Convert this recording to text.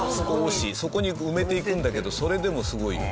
そこに埋めていくんだけどそれでもすごいよ。